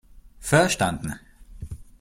Verstanden!